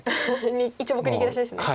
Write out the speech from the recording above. １目逃げ出しですね。